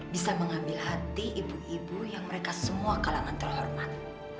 bisa mengambil hati ibu ibu yang mereka semua kalangan terhormat